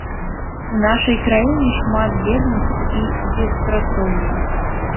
У нашай краіне шмат беднасці і беспрацоўя.